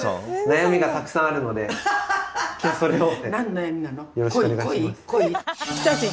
悩みがたくさんあるので今日はそれを。